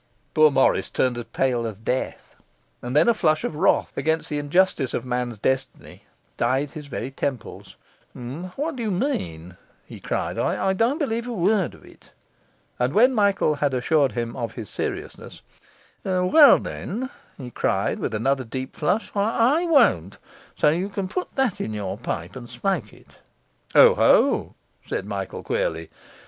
Poor Morris turned as pale as death, and then a flush of wrath against the injustice of man's destiny dyed his very temples. 'What do you mean?' he cried, 'I don't believe a word of it.' And when Michael had assured him of his seriousness, 'Well, then,' he cried, with another deep flush, 'I won't; so you can put that in your pipe and smoke it.' 'Oho!' said Michael queerly.